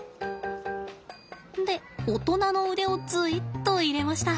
で大人の腕をずいっと入れました。